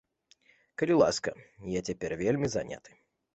Калі ласка, я цяпер вельмі заняты.